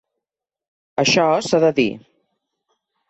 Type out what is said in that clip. Això s’ha de dir.